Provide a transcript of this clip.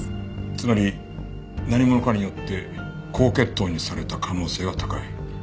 つまり何者かによって高血糖にされた可能性が高い。